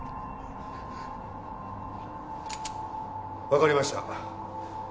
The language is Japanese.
わかりました。